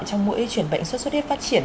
trong mỗi chuyển bệnh xuất xuất huyết phát triển